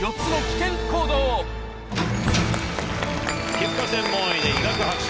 皮膚科専門医で医学博士